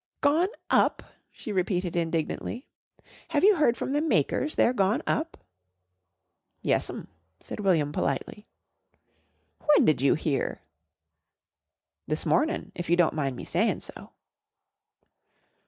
"Gone up ?" she repeated indignantly. "Have you heard from the makers they're gone up?" "Yes'm," said William politely. "When did you hear?" "This mornin' if you don't mind me saying so."